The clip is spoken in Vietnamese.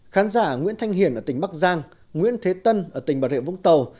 khán giả nguyễn thanh hiển ở tỉnh bắc giang nguyễn thế tân ở tỉnh bà rịa vũng tàu